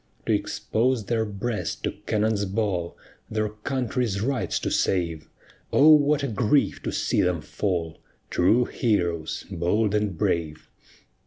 To expose their breast to cannon's ball, Their country's rights to save, O what a grief to see them fall! True heroes, bold and brave!